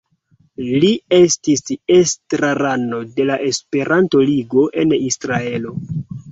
Li estis estrarano de la Esperanto-Ligo en Israelo.